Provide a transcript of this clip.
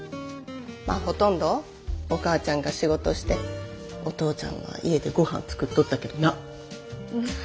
まあほとんどお母ちゃんが仕事してお父ちゃんが家でごはん作っとったけどな。